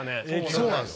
そうなんです。